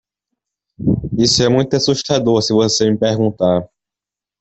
Isso é muito assustador se você me perguntar.